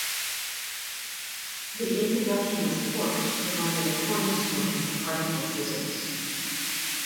The introduction of quarks provided a cornerstone for particle physics.